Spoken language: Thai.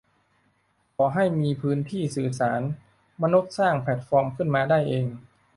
ขอให้มีพื้นที่สื่อสาร มนุษย์สร้างแพลตฟอร์มขึ้นมาได้เอง